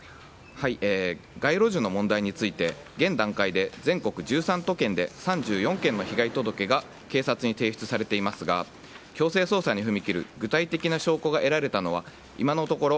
街路樹の問題について現段階で全国１３都県で３４件の被害届が警察に提出されていますが強制捜査に踏み切る具体的な証拠が得られたのは今のところ